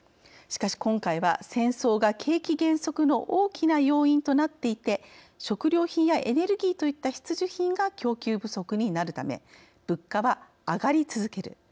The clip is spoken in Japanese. しかし今回は戦争が景気減速の大きな要因となっていて食料品やエネルギーといった必需品が供給不足になるため物価は上がり続ける。